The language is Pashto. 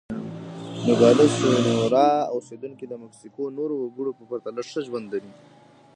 د نوګالس سونورا اوسېدونکي د مکسیکو نورو وګړو په پرتله ښه ژوند لري.